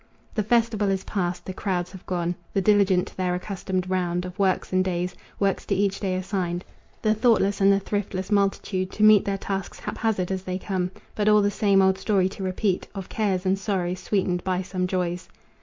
The festival is past. The crowds have gone, The diligent to their accustomed round Of works and days, works to each day assigned, The thoughtless and the thriftless multitude To meet their tasks haphazard as they come, But all the same old story to repeat Of cares and sorrows sweetened by some joys.